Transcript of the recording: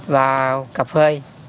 và cà phê